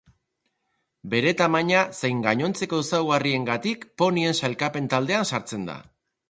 Bere tamaina zein gainontzeko ezaugarriengatik ponien sailkapen taldean sartzen da.